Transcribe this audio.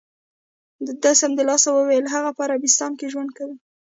ده سمدلاسه و ویل: هغه په عربستان کې ژوند کوي.